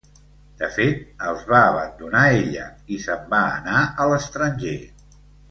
De fet, els va abandonar ella i se'n va anar a l'estranger.